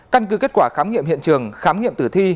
căn cứ kết quả khám nghiệm hiện trường khám nghiệm tử thi